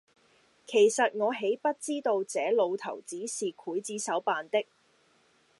其實我豈不知道這老頭子是劊子手扮的！